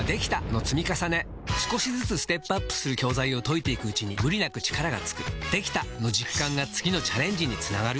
少しずつステップアップする教材を解いていくうちに無理なく力がつく「できた！」の実感が次のチャレンジにつながるよし！